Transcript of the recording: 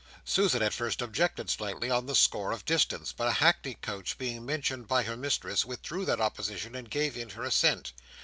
Susan at first objected slightly, on the score of distance; but a hackney coach being mentioned by her mistress, withdrew that opposition, and gave in her assent.